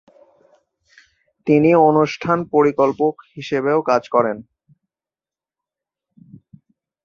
তিনি অনুষ্ঠান পরিকল্পক হিসেবেও কাজ করেন।